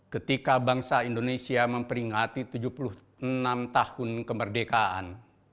ketika bangsa indonesia memperingati tujuh puluh enam tahun kemerdekaan